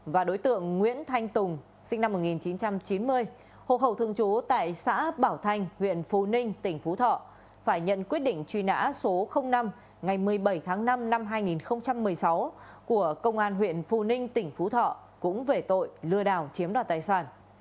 và đối tượng nguyễn thanh tùng sinh năm một nghìn chín trăm chín mươi hộ khẩu thường trú tại xã bảo thanh huyện phú ninh tỉnh phú thọ phải nhận quyết định truy nã số năm ngày một mươi bảy tháng năm năm hai nghìn một mươi sáu của công an huyện phú ninh tỉnh phú thọ cũng về tội lừa đảo chiếm đoạt tài sản